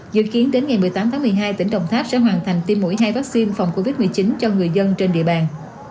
dự kiến đến ngày một mươi tám tháng một mươi hai tỉnh đồng tháp sẽ hoàn thành tiêm mũi hai vaccine phòng covid một mươi chín cho người dân trên địa bàn